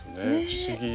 不思議。